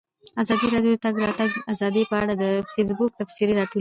ازادي راډیو د د تګ راتګ ازادي په اړه د فیسبوک تبصرې راټولې کړي.